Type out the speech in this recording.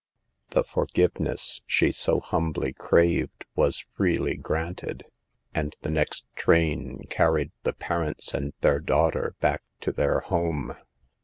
The forgiveness she so humbly craved was freely granted, and the next train carried the parents and their daughter back to their home.